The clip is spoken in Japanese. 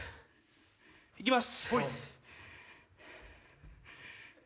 行きます。